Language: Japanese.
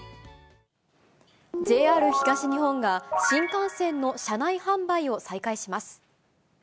ＪＲ東日本が、新幹線の車内販売を再開します。